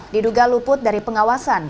diduga luput dari pengawasan